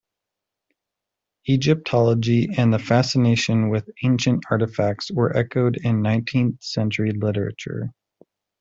Egyptology and the fascination with ancient artifacts were echoed in nineteenth-century literature.